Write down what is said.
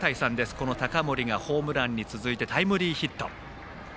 この高森がホームランに続いてタイムリーヒット。